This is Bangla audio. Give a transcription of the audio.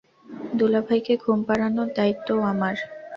দুলাভাইকে ঘুম পাড়ানোর দায়িত্বও আমার।